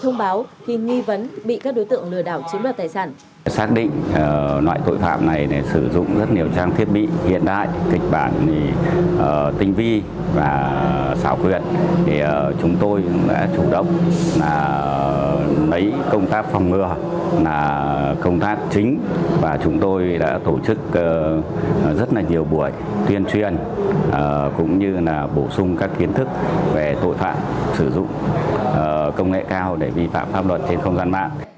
hội thông báo khi nghi vấn bị các đối tượng lừa đảo chiếm đoạt tài sản